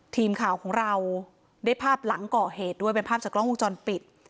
ทีมข่าวของเราได้ภาพหลังก่อเหตุด้วยเป็นภาพจากกล้องวงจรปิด